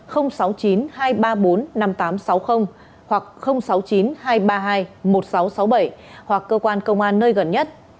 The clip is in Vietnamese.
hoặc sáu mươi chín hai trăm ba mươi hai một nghìn sáu trăm sáu mươi bảy hoặc cơ quan công an nơi gần nhất